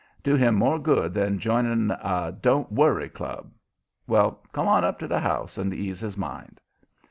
Do him more good than joining a 'don't worry club.' Well, come on up to the house and ease his mind."